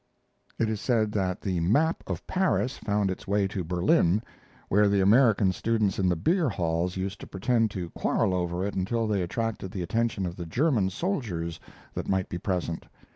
It is said that the "Map of Paris" found its way to Berlin, where the American students in the beer halls used to pretend to quarrel over it until they attracted the attention of the German soldiers that might be present.